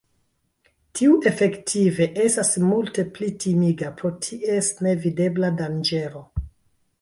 Tiu efektive estas multe pli timiga pro ties nevidebla danĝero.